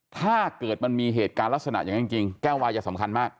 ถ้าเกิดมันมีเหตุการณ์ลักษณะอย่างนั้นจริงแก้ววายจะสำคัญมาก